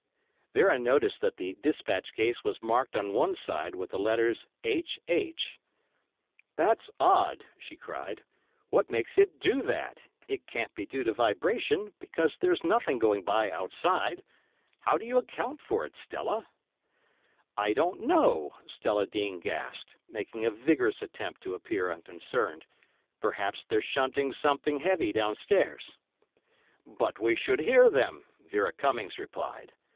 Vera noticed that the despatch case was marked on one side with the letters 'H. H.' 'That's odd,' she cried. 'What makes it do like that—it can't be due to vibration, because there's nothing going by outside. How do you account for it, Stella?' "'I don't know,' Stella Dean gasped, making a vigorous attempt to appear unconcerned; 'perhaps they're shunting something heavy downstairs.' "'But we should hear them,' Vera Cummings replied.